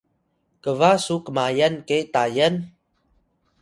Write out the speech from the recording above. kba su kmayan ke Tayal?